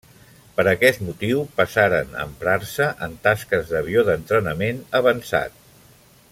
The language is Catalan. Per aquest motiu passaren a emprar-se en tasques d'avió d'entrenament avançat.